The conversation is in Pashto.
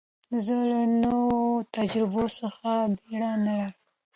زه له نوو تجربو څخه بېره نه لرم.